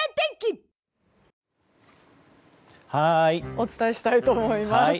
お伝えしたいと思います。